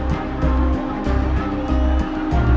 di kota alam